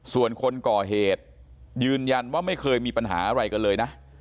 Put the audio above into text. ส่วนคนก่อเหตุยืนยันว่าไม่เคยมีปัญหาอะไรกันเลยนะ